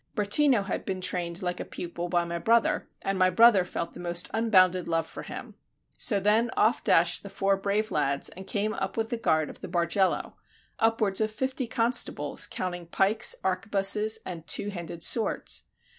Bertino had been trained like a pupil by my brother, and my brother felt the most unbounded love for him. So then off dashed the four brave lads and came up with the guard of the Bargello, upwards of fifty constables, counting pikes, arquebuses, and two handed swords.